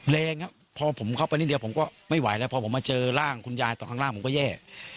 แรงครับพอผมเข้าไปนิดเดียวผมก็ไม่ไหวแล้วพอผมมาเจอร่างคุณยายตอนข้างล่างผมก็แย่